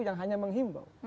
yang hanya menghimbau